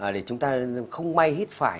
để chúng ta không may hít phải